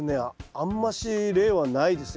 あんまし例はないですね。